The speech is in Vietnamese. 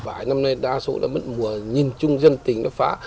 vải năm nay đa số mất mùa nhìn chung dân tỉnh nó phá